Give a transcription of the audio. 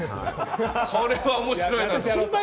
これは面白いぞと。